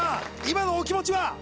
今のお気持ちは？